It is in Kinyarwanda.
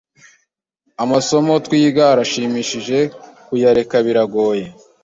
Amasomo twiga arashimishije kuyareka biragoye